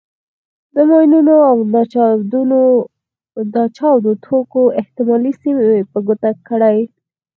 د ماینونو او ناچاودو توکو احتمالي سیمې په ګوته کړئ.